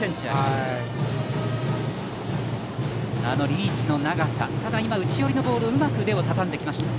リーチの長さ、内寄りのボールをうまく腕をたたんできました。